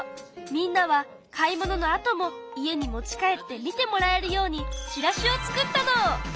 みんなは買い物のあとも家に持ち帰って見てもらえるようにチラシを作ったの！